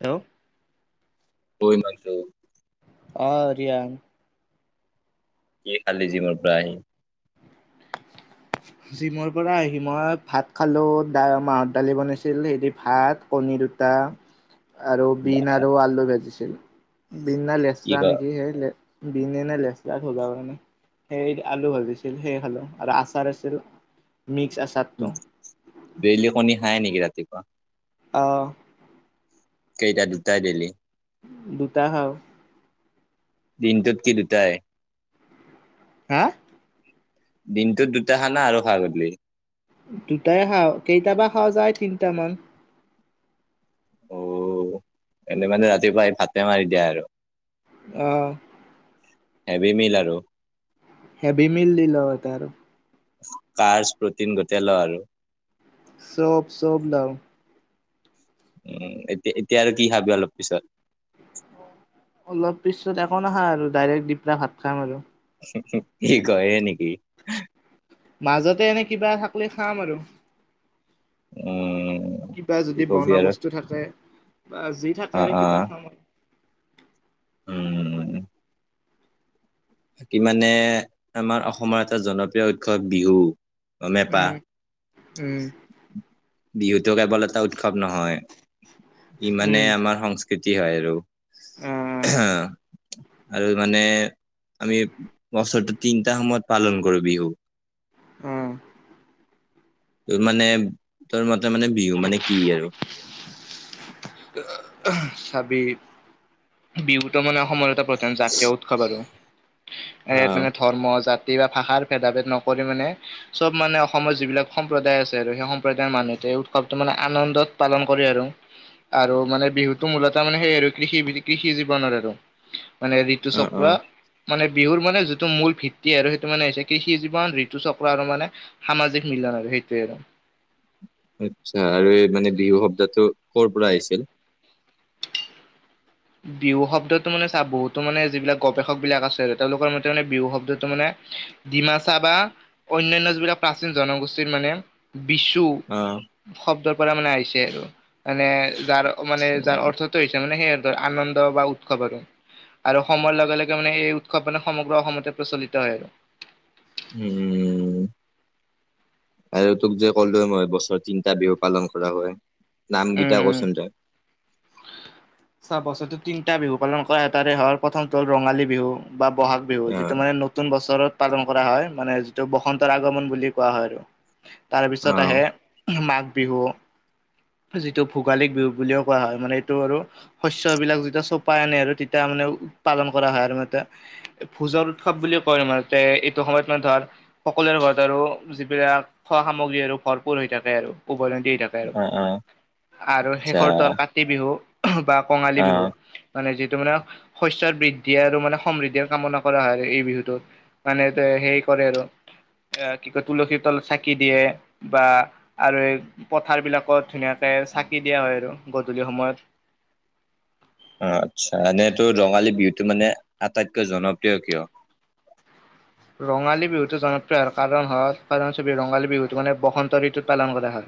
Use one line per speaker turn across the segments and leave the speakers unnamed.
Hello.
[unintelligible]
অ', ৰিয়া।
কি খালি জিমৰ পৰা আহি? [inaudible]
জিমৰ পৰা আহি মই ভাত খালোঁ দা মাহত দালি বনাইছিল সি ভাত কণী দুটা। আ। আৰু বিন আৰু আলু ভাজিছিল বিন না
কি
লেচৰা
ক
নেকি সেই লে। বিনে নে লেচৰা হ'বা কাৰণে সেই আলু ভাজিছিল সেই খালোঁ। আৰু আচাৰ আছিল, মিক্স আচাৰটো।
ডেইলি কণী খায় নেকি ৰাতিপুৱা?
অ'।
কেইটা? দুটাই ডেইলী?
দুটা খাওঁ।
দিনটোত কি দুটাই?
হা?
দিনটো দুটা খানা আৰু খা গোধূলি?
দুটাই খাওঁ, কেইটাবা খাৱা যায় তিনিটামান।
অ', এনেই মানে ৰাতিপুৱাই ভাতে মাৰি দিয়া আৰু।
অ'।
হেভী মিল আৰু।
হেভী মিল দি ল এটা আৰু।
কাৰছ প্ৰটিন গোটে ল আৰু।
চব চব লাও।
উম, এতিয়া-এতিয়া আৰু কি খাবি অলপ পিছত?
অলপ পিছত একো নাখাও আৰু ডাইৰেক্ট দিপৰা ভাত খাম আৰু।
কি কয়ে নেকি?
মাজতে এনে কিবা থাকলি খাম আৰু।
উম।
কিবা
কি
যদি
কবি
বনা
আৰু
বস্তু থাকে বা যি থাকে
অ',
আৰু কিবা
অ',
খাম আৰু।
উম। বাকী মানে, আমাৰ অসমৰ এটা জনপ্ৰিয় উৎসৱ বিহু। গমে পা?
উম উম
বিহুতো কেৱল এটা উৎসৱ নহয়, ইমানে
উম
আমাৰ সংস্কৃতি হয় আৰু।
আহ
অ আৰু মানে-' আমি বছৰটো তিনিটা সময়ত পালন কৰো বিহু।
উম
তোৰ মানে তোৰ মতে মানে বিহু মানে কি আৰু-
চাবি, বিহুতো মানে অসমত এটা-' প্ৰধান জাতীয় উৎসৱ আৰু, এ
অ
ইয়াত মানে ধৰ্ম জাত-' বা ভাষাৰ ভেদা ভেদ নকৰি মানে চব মানে অসমৰ যিবিলাক সম্প্ৰদায় আছে আৰু সেই সম্প্ৰদায়ৰ মানুহ-' এই উৎসৱটো মানে আনন্দত পালন কৰে আৰু। আৰু মানে বিহুতটো মূলত মানে সেই আৰু কৃষি কৃষি জীৱনৰ আৰু। মানে ঋতু
অ অ
চক্ৰ মানে বিহুৰ মানে যিটো মূল ভিত্তি আৰু সেইটো মানে হৈছে কৃষি জীৱন ঋতু চক্ৰ আৰু মানে সামাজিক মিলন আৰু সেইট আৰু।
আচ্ছা আৰু এই মানে বিহু সব্দাটো কৰ'পৰা আহিছিল?
বিহু শব্দতো মানে চা বহুতো মানে যিবিলাক গৱেষক বিলাক আছে তেওঁলোকৰ মতে মানে বিহু শব্দতটো মানে ডিমাচা বা অন্যান্য যিবিলাক প্ৰাচীন জনগোষ্ঠীৰ মানে বিচু
অ
শব্দৰ পৰা মানে আহিছে মানে যাৰ মানে যাৰ অৰ্থটো হৈছে মানে সেইয় আৰু ধৰ আনন্দ বা উৎসৱ আৰু। আৰু সময়ৰ লগে লগে মানে এই উৎসৱ মানে সমগ্ৰ অসমতে প্ৰচলিত হয়।
উম' আৰু তোক যে ক'লো মই বছৰৰ তিনটা বিহু পালন কৰা হয়।
উম
নামকেইটা
উম।
কচোন তই?
চোৱা বছৰটো তিনিটা বিহু পালন কৰা এটাৰে হয়ল প্ৰথমটো হ'ল ৰঙালী বিহু বা বহাগ বিহু
অ
যিটো মানে নতুন বছৰত পালন কৰা হয় মানে যিটো বসন্তৰ আগমন বুলি কোৱা হয়।
অ
তাৰপিছত আহে মাঘ বিহু যিটো ভোগালিক বিহু বুলিও কোৱা হয় মানে এইটো আৰু শস্বলাক যেতিয়া চপাই আনে আৰু তেতিয়া মানে পালন কৰা হয় আৰু মে ভোজৰ উৎসৱ বুলি কয় মে এইটো সময়ত মানে ধৰ সকলোৰে ঘৰত আৰু যিবিলাক খোৱা সামগ্ৰী আৰু ভৰপৰ হৈ থাকে আৰু উভয়
অ' অ'
আৰু
আচ্ছা
শেষৰটো আৰু কাতি বিহু বা কঙালী
অ
বিহু মানে যিটো টো মানে শইচৰ বৃদ্ধি আৰু মানে সমৃদ্ধিৰ কামনা কৰা হয় এই বিহুটোত মানে হেই কৰে আৰু এ কি কয় তুলসী তল চাকি দিয়ে বা আৰু এই পথাৰ বিলাকত ধুনীয়াকে চাকি দিয়া হয় আৰু গধূলি সময়ত।
অ আচ্ছা এনে তোৰ ৰঙালী বিহুতটো মানে আটাইতকৈ জনপ্ৰিয় কিয়?
ৰঙালী বিহুতটো জনপ্ৰিয় কাৰণ হয় কাৰবি ৰঙালী বিহুতটো মানে বসন্ত ঋতুত পালন কৰা হয়।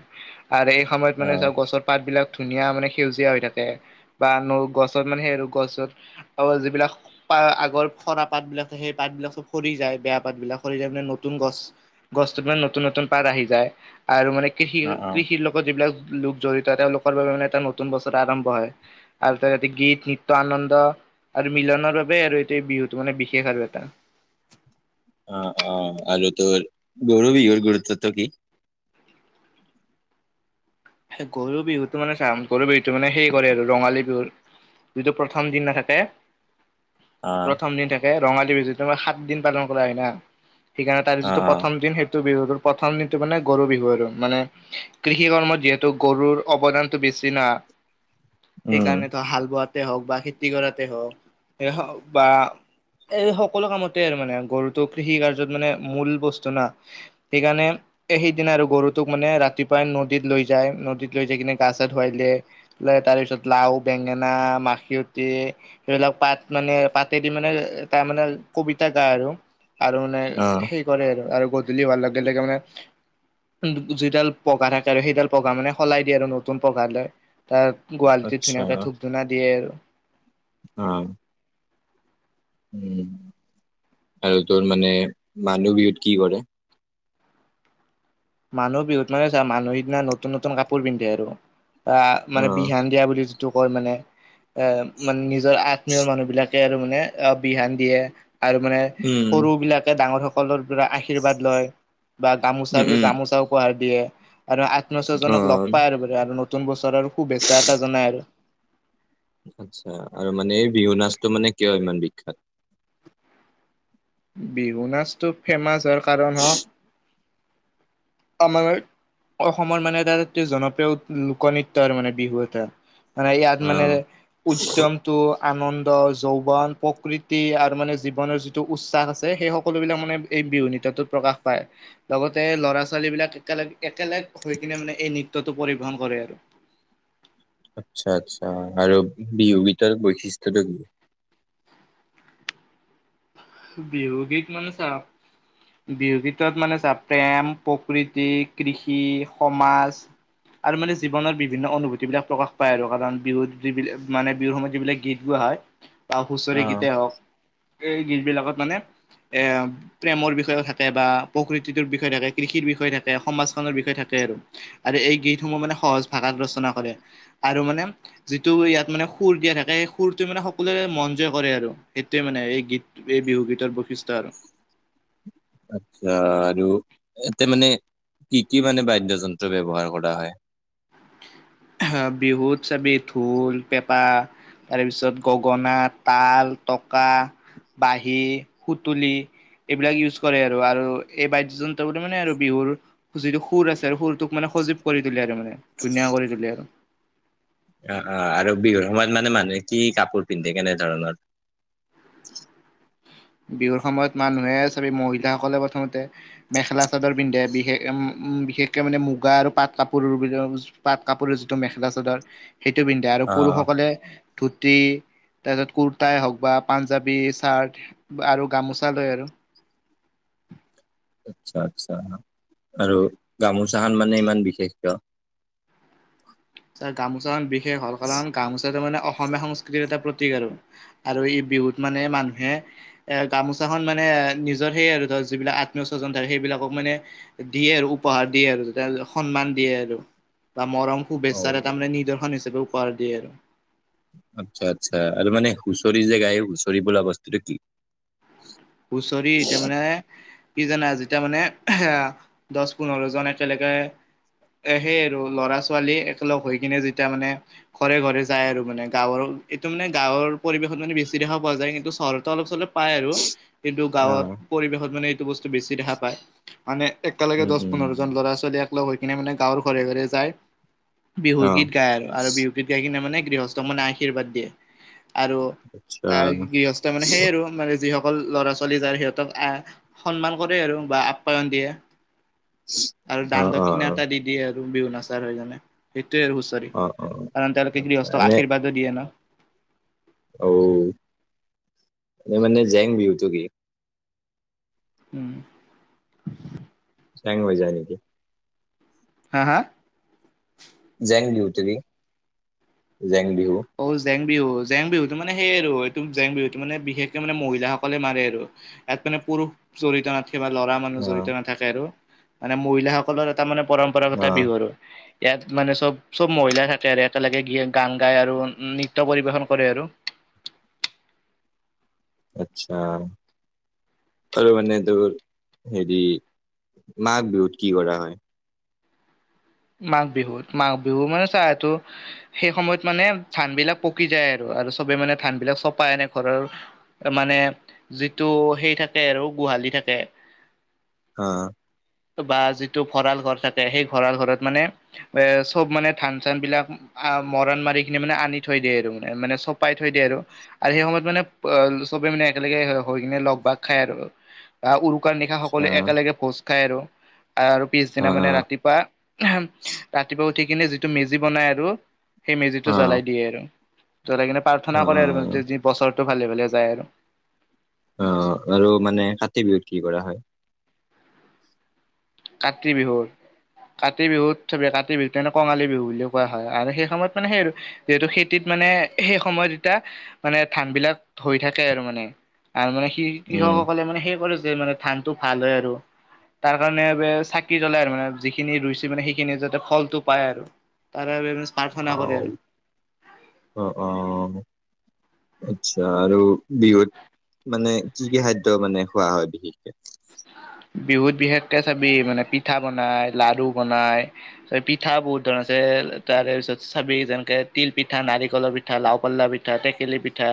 আৰু এই সময়ত
অ
মানে চাও গছৰ পাতবলাক ধুনীয়া মানে সেউজীয়া হৈ থাকে বা ন গছত মানে সেই গছত অ' যিবিলাক আগৰ খৰা পাতবিলাকে সেই পাতবিলাকো সৰি যায়। বেয়া পাত বিলাক সৰি যায় মানে নতুন গছ গছতত মানে নতুন নতুন পাত আহি যায় আৰু মানে কৃষি
অ অ
কৃষিৰ লগত যিবিলাক লোক জড়িত তেওঁলোকৰ বাবে মানে এটা নতুন বছৰ আৰম্ভ হয় আৰু তেওঁ যতে গীত নিত্যয় আনন্দ আৰু মিলনৰ বাবে আৰু এইটো বিহুতটো মানে বিশেষ আৰু এটা।
অ' অ' আৰু তোৰ গৰু বিহুৰ গুৰুত্বটো কি?
গৰু বিহুতটো মানে চাম গৰু বিহুতটো মানে সেই কৰে আৰু ৰঙালী বিহু যটো প্ৰথম দিন থাকে
অ',
প্ৰথম দিন থাকে ৰঙালী বিজুমাৰ সাত দিন পালন কৰা হয় না। সেইকাৰণে তাৰ যিটো
অ',
প্ৰথম দিন সেইটো বিহু প্ৰথম দিনটো মানে গৰু বিহু আৰু মানে কৃষি কৰ্মত যিহেতু ত গৰুৰ অৱদানতটো বেছি না
উম,
সেইকাৰণে তো হাল বোৱাত হওক বা খেতি কৰাতে হওকক বা এই সকলো কামতে আৰু মানে গৰুটো কৃষি কাৰ্যত মানে মূল বস্তু না সেইকাৰণে এ সেইদিনা আৰু গৰুটোক মানে ৰাতিপুৱাই নদীত লৈ যাই নদীত লৈ যাই কিনে গাছা ধুৱাই দিয়ে ল তাৰ পিছত লাও বেঙেনা মাখিয়তি সেইবিলাক পাত মানে পাতেদি মানে তাৰ মানে কবিতা গা আৰু আৰু মানে
অ',
সেই কৰে আৰু গধূলি হোৱাৰ লগে লগে মানে যি দাল পঘা থাকে পঘা মানে সলাই দিয়ে আৰু নতুন পঘা লৈ তাৰ গোৱালিটত
আচ্ছা
ধুনীয়াকে ধূপ ধুনা দিয়ে [inaudible]
অ' উ আৰু তোৰ মানে মানুহ বিহুত কি কৰে
মানুহ বিহুত মানে চা মানুহ সিদিনা নতুন নতুন কাপোৰ পিন্ধে আৰু বা মানে
অ',
বিহান দিয়া বুলি যিটো কয় মানে এ মানে নিজৰ আত্মীয়ৰ মানুহ বিলাক আৰু মানে অ বিহান দিয়ে আৰু মানে
উম,
সৰু বিলাকে ডাঙৰ সকলৰ আশীৰ্বাদ লয় বা গামোচা
উম, উম,
গামোচা উপহাৰ দিয়ে আৰু আত্মীয়স্বজনক লগ
অ',
পাই আৰু বাৰ আৰু নতুন বছৰৰ শুভেচ্ছা এটা জনাই আৰু
আচ্ছা আৰু মানে এই বিহু নাচটো মানে কিয় ইমান বিখ্যাত
বিহু নাচটো ফেমাছ হোৱাৰ কাৰণ হওক। আমাৰ অসমৰ মানে এটা জনপ্ৰিয় লোকনৃত্য আৰু মানে বিহু এটা। মানে ইয়াত মানে
অ',
উদ্মটো আনন্দ যৌৱন প্ৰকৃতি আৰু মানে জীৱনৰ যিটো উৎসাহ আছে সেই সকলো বিলাক মানে বিৰোধিতা টো প্ৰকাশ পায় লগতে ল'ৰা ছোৱালী ছোৱালীবিলাক একগ একেলগ হৈ কিনে মানে এই নৃতয়টো পৰিবহন কৰে আৰু
আচ্ছা আচ্ছা আৰু বি বিতৰক বৈশিষ্টয়ত কি
বিহগিক মনছা বিহু গীতত মানে চা প্ৰেম প্ৰকৃতি কৃষি সমাজ আৰু মানে জীৱনৰ বিভিন্ন অনুভূতি বিলাক প্ৰকাশ পায় আৰু কাৰণ বিহুত যিবিলাক মানে বিহুৰ সময়ত যিব বিলাক গীত গোৱা বা হুচৰি
অ',
গীতে হওক এই গীত বিলাকত মানে এ প্ৰেমৰ বিষয়ে থাকে বা প্ৰকৃতিটোৰ বিষয়ে থাকে কৃষিৰ বিষয়ে থাকে সমাজখনৰ বিষয়ে থাকে। আৰু এই গীতসমূহ মানে সহজ ভাষাত ৰচনা কৰে আৰু মানে যিটো ইয়াত মানে। সুৰ দিয়া থাকে সেই সুৰটোৱে মানে সকলোৱে মনজয় কৰে আৰু সেইটোৱে মানে এই গীত এই বিহুগীতাৰ বশিষ্ট আৰু
আচ্ছা আৰু এতে মানে কি কি মানে বাদ্যযন্ত্ৰ ব্যৱহাৰ কৰা হয়
আহ বিহুত চাবি ঢোল পেঁপা তাৰপিছত গগনা তাল টকা বহী সুতুলি এইবিলাক ইউজ কৰে আৰু আৰু এই বাদ্যয় যন্ত্ৰ বুলিো মানে আৰু বিহুৰ যিটো সুৰ আছে আৰু সুৰটোক মানে সজীৱ কৰি তলে আৰু মানে ধুনীয়া কৰি তুললেে
অ -অ আৰু বিহুৰ সময়ত মানে মানুহে কি কাপোৰ পিন্ধে কেনেধৰণৰ [inaudible]
বিহুৰ সময়ত মানুহে চবেই মহিলাসকলে প্ৰথমতে মেখেলা চাদৰ পিন্ধে বি বিশেষ উম বিশেষকে মানে মুগা আৰু পাট কাপোৰ বি পাত কাপোৰৰ যিটো মেখেলা চাদৰ সেইটো পিন্ধে আৰু
অ',
পুৰুষসকলে ধত কি তাৰপিছত কুৰ্তাই হওক বা পাঞ্জাবী চাৰ্ট। আৰু গামোচা লৈ আৰু
আচ্ছা আচ্ছা আৰু গামোচাাহান মানে ইমান বিশেষ ক
ছ গামোচা বিশেষ হল কাৰণ গামোচাটো মানে অসমীয়া সংস্কৃতিৰ এটা স আৰু আৰু ই বিহুত মানে মানুহে এ গামোচাখন মানে নিজৰ সেই আৰু ধ যিবিলাক আত্মীয় স্বজন থাৰ সেইবিলাকক মানে দিয়ে আৰু উপহাৰ দিয়ে আৰু সন্মান দিয়ে আৰু বা মৰম
অ
শুভেচ্ছাৰ এটা মানে নিদৰ্শন হিাপে উপহাৰ দিয়ে আৰু
আচ্ছা আচ্ছা আৰু মানে হুঁচৰি যে গাই হুঁচৰি বলা বস্তুটো কি
উচৰিছে মানে কিজানে যেতিয়া মানে এ দহ পোন্ধৰ জন একেলগে এ সেই আৰু ল'ৰা ছোৱালী একেলগ হৈ কিনে যেতিয়া মানে ঘৰে ঘৰে যায় আৰু মানে গাঁৱৰ এইটো মানে গাঁৱৰ পৰিৱেশত মানে বেছি দেখা পোৱা যায় কিন্তু চহটো অলপ চলপ পায় আৰু কিন্তু
অ
গাঁৱত পৰিৱেশত মানে এইটো বস্তু বেছি দেখা পায় মানে একেলগে
উম
দহ
উম
পোন্ধৰ জন ল'ৰা ছোৱালী এককলগ হৈ কিনে মানে গাঁৱৰ ঘৰে ঘৰে যায়
অ
বিহুগীত গায় আৰু বিহুগীত গাই কিনে মানে গৃহস্থ মানে আশীৰ্বাদ দিয়ে। আৰু
আচ্ছা
আহ গৃহস্থ মানে সেইয় আৰু মানে যিসকল ল'ৰাাল। চলি যায় সিহঁতক আহ সন্মান কৰে আৰু বা আপ্যায়ন দিয়ে। আৰু
অ
দান
অ
দক্ষিণা
অ
এটা দিদিয়ে আৰু বিহু নাচাৰ হৈ জানে সেইটোয়ে আৰু হুচৰি
অ অ
কাৰণ তেওঁলোকে
আচ্ছা
গৃহস্থক
এনে
আশীৰ্বাদো দিয়ে ন
অ' এ মানে জেং বিহ তু কি
উম [inaudible]
চেং হৈ যায় নেকি?
হা হা?
জেং বিহুতি জেং বিহু।
অ জেং বিহু জেং বিহুতো মানে সেই আৰু। এইটো জেং বিহুতো মানে বিশেষকে মানে মহিলাসকলে মাৰে আৰু ইয়াত মানে পুৰুষ জড়িত নাথ কিবা লৰা মানুহ
অ
জড়িত নাথাকে আৰু মানে মহিলাসকলৰ এটা মানে পৰম্পৰাগত
অ
বিহু আৰু। ইয়াত মানে চব-চব মহিলাই থাকে আৰু একেলগে গ গান গাই আৰু উ নৃত্য পৰিবেশন কৰে আৰু।
আচ্ছা। আৰু মানে তোৰ হেৰি মাঘ বিহুত কি কৰা হয়?
মাঘ বিহুত- মাঘ বিহু মানে চাহটো সেই সময়ত মানে ধান বিলাক পকি যায় আৰু। আৰু চবে মানে ধান বিলাক চপাই আনে ঘৰৰ মানে যিটো সেই থাকে আৰু গো হালি থাকে।
হা।
টো বা যিটো ভঁৰাল ঘৰ থাকে সেই ভঁৰাল ঘৰত মানে এ চব মানে ধান চান বিলাক আ, মৰাণ মাৰি কিনি মানে আনি থৈ দিয়ে আৰু মানে-মানে চপাই থৈ দিয়ে আৰু সেই সময়ত মানে [unintelligible] চবে মানে একেলগে হৈ কিনে লগ ভাগ খাই আৰু বা উৰু শুকান নিশা
আচ্ছা
সকলোৱে একেলগে ভোজ খায় আৰু। আৰু
অ
পিছদিনা মানে ৰাতিপুৱা-ৰাতিপুৱা উঠি কিনে যিটো মেজি বনাই আৰু সেই মেজিটো
অ অ
জ্বলাই দিয়ে আৰু। জ্বলাই কিনে
অ
প্ৰাৰ্থনা কৰে আৰু মানে যি বছৰটো ভালে-ভালে যায় আৰু।
অহ, আৰু মানে কাতি বিহুত কি কৰা হয়?
কাতি বিহুৰ? কাতি বিহুত চাবি কাতি বিহুতে কঙালী বিহু বুলিও কোৱা হয় আৰু সেই সময়ত মানে সেই আৰু যিহেতু খেতিত মানে সেই সময়ত এতিয়া মানে ধান বিলাক হৈ থাকে আৰু মানে আৰু মানে সে
উম
কৃষকসকলে মানে সেই কৰে যে মানে ধানটো ভাল হয় আৰু তাৰ কাৰণে [unintelligible] চাকি জ্বলাই আৰু মানে যিখিনি ৰুইছে মানে সেইখিনি যাতে ফলটো পায় আৰু তাত [unintelligible] প্ৰাৰ্থনা কৰে
অ',
আৰু।
অ', অ', আচ্ছা আৰু বিহুত মানে কি-কি খাদ্য মানে খোৱা হয় বিশেষকে?
বিহুত বিশেষকে চাবি মানে পিঠা বনাই, লাৰু বনাই, চ' পিঠা বহুত ধৰণ আছে তেৰ তাৰে পিছত চাবি যেনেকে তিল পিঠা, নাৰিকলৰ পিঠা, লাও পল্লা পিঠা, টেকেলি পিঠা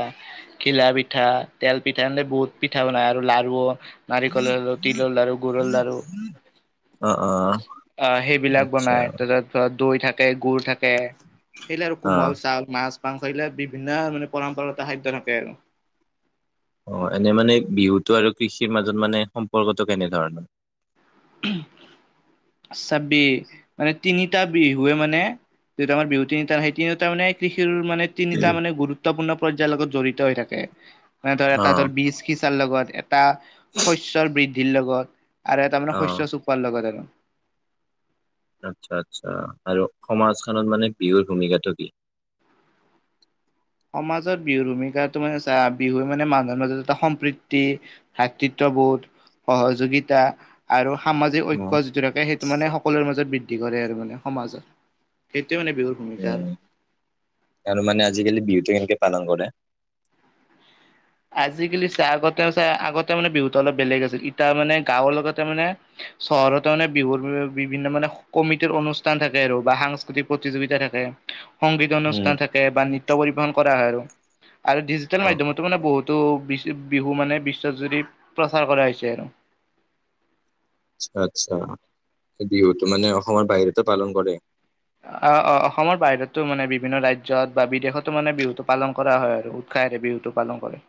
ঘিলা পিঠা, তেল পিঠা এনদে বহুত পিঠা বনাই আৰু লাৰু নাৰিকলৰ তিলৰ লাৰু, গুৰৰ লাৰু,
অ', অ',
আহ! সেইবিলাক
আচ্ছা
বনাই। [unintelligible] দৈ থাকে, গুৰ থাকে [unintelligible] আৰু
অ'।
কোমল চাউল, মাছ। [unintelligible] বিভিন্ন মানে পৰম্পৰাগত খাদ্য থাকে আৰু।
অ' এনে মানে বিহুটো আৰু কৃষিৰ মাজত মানে সম্পৰ্কটো কেনেধৰণৰ?
চাবি মানে তিনিটা বিহুৱে মানে। যিহেতু আমাৰ বিহু তিনিটা সেই তিনিটা মানে কৃষিৰ মানে তিনিটা মানে গুৰুত্বপূৰ্ণ পৰ্যায়ৰ লগত জড়িত হৈ থাকে। মানে ধৰ এটা
অ',
ধৰ বিশ তাৰ লগত এটা শস্যৰ বৃদ্ধিৰ লগত আৰু এটা মানে
অ'।
শস্য চপোৱাৰ লগত আৰু।
আচ্ছা আচ্ছা, আৰু সমাজখনত মানে বিহুৰ ভূমিকাটো কি? [inaudible]
সমাজত বিহুৰ ভূমিকাটো মানে চা বিহুৰ মানে মানুহৰ মাজত এটা সম্প্ৰীতি, ভাতৃত্ববোধ, সহযোগিতা আৰু সামাজিক
অ
ঐক্য যিটো থাকে, সেইটো মানে সকলোৰে মাজত বৃদ্ধি কৰে আৰু মানে সমাজত। সেই
উম, আৰু মানে আজিকালি বিহুটো এনেকে পালন কৰে।
আজিকালি চাই আগতে চাই আগতে মানে বিহুটো অলপ বেলেগ আছিল। এতিয়া মানে গাঁৱৰ লগতে মানে চহৰতে মানে বিহুৰ বি বিভিন্ন মানে কমিটিৰ অনুষ্ঠান থাকে আৰু বা সাংস্কৃতিক প্ৰতিযোগিতা থাকে সংগীত
উম,
অনুষ্ঠান থাকে বা নৃত্য পৰিবেশন কৰা হয় আৰু আৰু ডিজিটেল
অ',
মাধ্যমতো মানে বহুত বিহু মানে বিশ্বতজুৰি প্ৰচাৰ কৰা হৈছে আৰু
আচ্ছা আচ্ছা বিহুটো মানে অসমৰ বাহিৰতো পালন কৰে
অ অ অসমৰ বাহিৰতো মানে বিভিন্ন ৰাজ্যত বা বিদেশতো মানে বিহুটো পালন কৰা হয় আৰু উৎসাহ ঠাইৰে বিহুটো পালন কৰে